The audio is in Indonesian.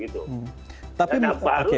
tetapi baru nanti